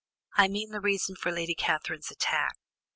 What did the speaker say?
I mean the reason for Lady Catherine's attack.